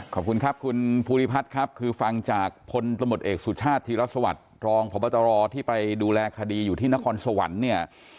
ขอบคุณครับคุณภูริพัฒน์ครับคือฟังจากพลตำรวจเอกสุชาติธีรสวัสดิ์รองพบตรที่ไปดูแลคดีอยู่ที่นครสวรรค์เนี่ย